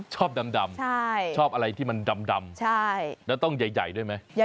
ชอบดำชอบอะไรที่มันดำแล้วต้องใหญ่ด้วยไหม